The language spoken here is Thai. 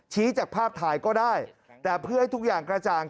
จากภาพถ่ายก็ได้แต่เพื่อให้ทุกอย่างกระจ่าง